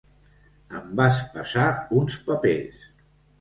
Em vas passar uns papers.